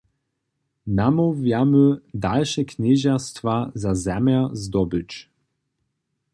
Namołwjamy, dalše knježerstwa za zaměr zdobyć.